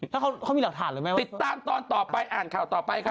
ติดตามตอนต่อไปอ่านข่าวต่อไปค่ะ